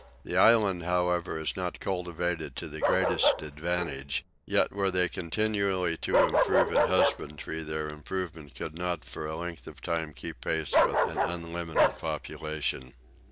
The island however is not cultivated to the greatest advantage: yet were they continually to improve in husbandry their improvement could not for a length of time keep pace with an unlimited population.